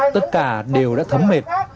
tất cả đều đã thấm mệt